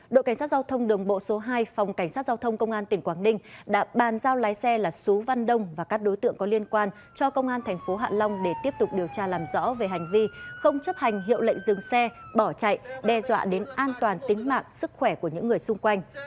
đội cảnh sát giao thông đường bộ số hai phòng cảnh sát giao thông công an tỉnh quảng ninh đã bàn giao lái xe là sú văn đông và các đối tượng có liên quan cho công an thành phố hạ long để tiếp tục điều tra làm rõ về hành vi không chấp hành hiệu lệnh dừng xe bỏ chạy đe dọa đến an toàn tính mạng sức khỏe của những người xung quanh